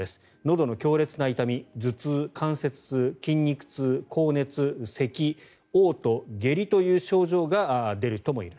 どの強烈な痛み、頭痛、関節痛筋肉痛高熱、せき、おう吐下痢という症状が出る人もいる。